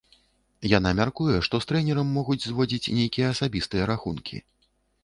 Яна мяркуе, што з трэнерам могуць зводзіць нейкія асабістыя рахункі.